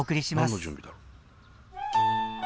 何の準備だろ？